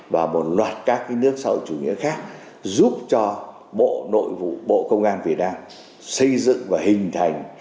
và một loạt các nước sâu chủ nghĩa khác giúp cho bộ nội vụ bộ công an việt nam xây dựng và hình thành